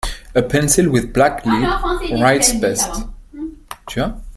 A pencil with black lead writes best.